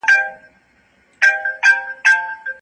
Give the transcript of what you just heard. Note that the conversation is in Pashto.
هوا د ښځو موضوعات شریکوي.